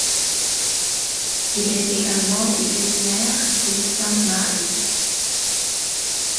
Il est également élu Maire de Sainte-Marie.